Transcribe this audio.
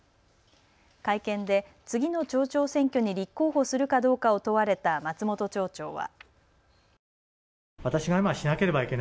会見で次の町長選挙に立候補するかどうかを問われた松本町長は。